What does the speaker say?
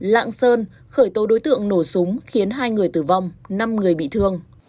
lạng sơn khởi tố đối tượng nổ súng khiến hai người tử vong năm người bị thương